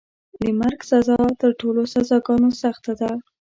د مرګ سزا تر ټولو سزاګانو سخته ده.